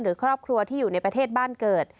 หรือครอบครัวที่อยู่ในประเทศบ้านเกิด